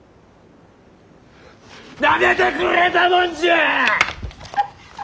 なめてくれたもんじゃ！